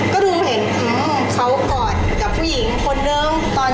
ก็ดูเห็นเขากอดกับผู้หญิงคนเดิมตอน